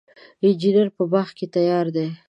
انجیر په باغ کې تیار دی.